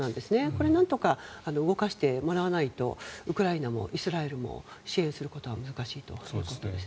これをなんとか動かしてもらわないとウクライナもイスラエルも支援することは難しいと思いますね。